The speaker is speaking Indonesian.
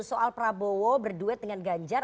soal prabowo berduet dengan ganjar